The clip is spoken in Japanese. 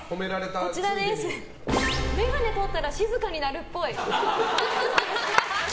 眼鏡取ったら静かになるっぽい。